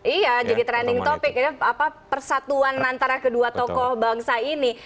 iya jadi trending topic ya apa persatuan antara kedua tokoh bangsa ini